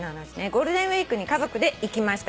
「ゴールデンウィークに家族で行きました」